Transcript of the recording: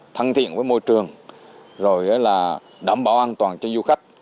thân thiện với môi trường rồi là đảm bảo an toàn cho du khách